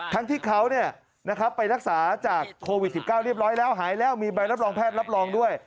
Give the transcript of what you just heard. ทั้งที่เขาไปรักษาจากโควิด๑๙เรียบร้อยแล้วหายแล้วมีใบรับรองแพทย์รับรองด้วย